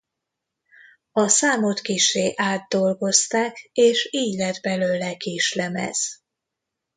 A számot kissé átdolgozták és így lett belőle kislemez.